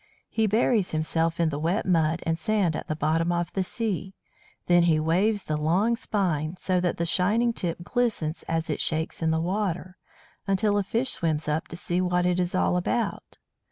He buries himself in the wet mud and sand at the bottom of the sea. Then he waves the long spine, so that the shining tip glistens as it shakes in the water, until a fish swims up to see what it is all about.